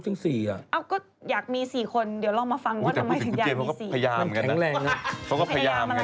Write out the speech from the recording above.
ช่วงหน้าของมันแบบนั้น